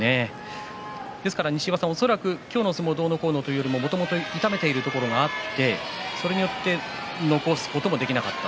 ですから、西岩さん今日の相撲がどうのこうのということよりも、もともと痛めているところがあってそれによって残すことができなかった。